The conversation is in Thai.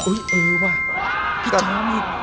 อุ้ยเออว่ะพี่จามิต